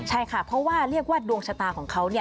ใช่ค่ะเพราะว่าเรียกว่าดวงชะตาของเขา